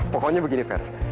pokoknya begini per